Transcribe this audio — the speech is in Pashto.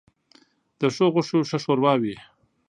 ـ د ښو غوښو ښه ښوروا وي.